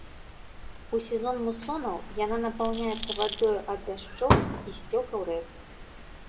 У сезон мусонаў яна напаўняецца вадою ад дажджоў і сцёкаў рэк.